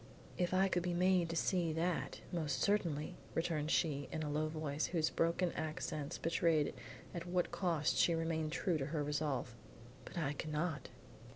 "If I could be made to see that, most certainly," returned she in a low voice whose broken accents betrayed at what cost she remained true to her resolve. "But I cannot."